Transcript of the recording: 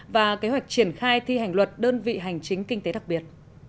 và kế hoạch triển khai thi hành luật đơn vị hành chính kinh tế đặc biệt